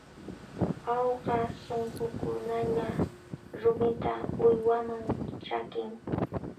Awqa sunqukunalla rumita uywaman ch'aqin.